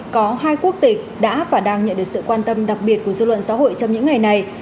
có hai quốc tịch đã và đang nhận được sự quan tâm đặc biệt của dư luận xã hội trong những ngày này